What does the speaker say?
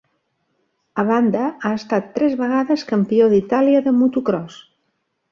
A banda, ha estat tres vegades Campió d'Itàlia de motocròs.